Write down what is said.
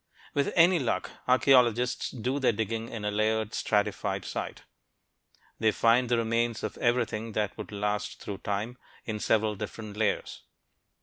With any luck, archeologists do their digging in a layered, stratified site. They find the remains of everything that would last through time, in several different layers.